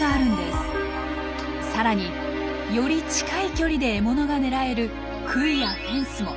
さらにより近い距離で獲物が狙える杭やフェンスも。